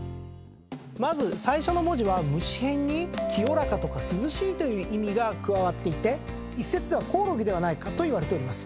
まず最初の文字はむしへんに清らかとか涼しいという意味が加わっていて一説ではコオロギではないかといわれております。